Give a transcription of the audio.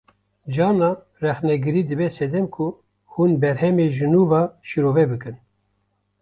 Carna rexnegirî dibe sedem ku hûn berhemê ji nû ve şîrove bikin